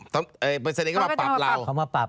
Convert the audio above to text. เฉพาะใบขับขี่มาปรับเรา